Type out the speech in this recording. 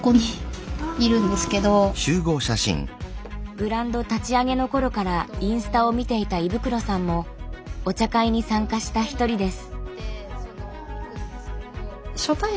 ブランド立ち上げの頃からインスタを見ていた衣袋さんもお茶会に参加した一人です。